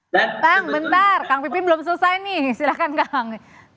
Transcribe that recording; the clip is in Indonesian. datang bentar kang pipin belum selesai nih silahkan kang